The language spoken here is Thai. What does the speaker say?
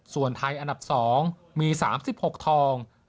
ส่วนไทยอันดับ๒มี๓๖ทอง